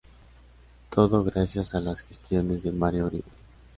Todo gracias a las gestiones de Mario Uribe.